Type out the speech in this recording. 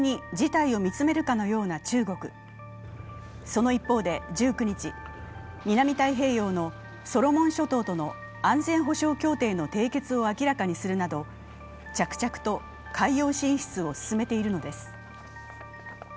その一方で１９日、南太平洋のソロモン諸島との安全保障協定の締結を明らかにするなど着々と海洋進出を進めているのです。